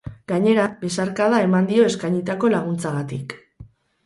Gainera, besarkada eman dio eskainitako laguntzagatik.